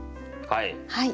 はい。